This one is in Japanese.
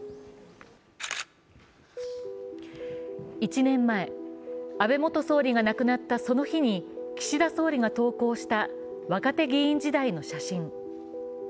１年前、安倍元総理が亡くなったその日に岸田総理が投稿した若手議員時代の写真。